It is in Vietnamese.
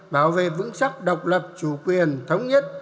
bảo vệ vững chắc độc lập chủ quyền thống nhất